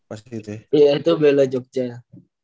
iya itu bela jogja ya